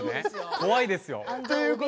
怖いですよ。